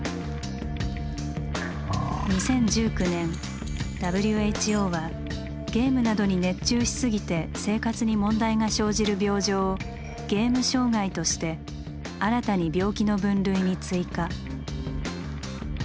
２０１９年ＷＨＯはゲームなどに熱中しすぎて生活に問題が生じる病状を「ゲーム障害」として新たに病気の分類に追加。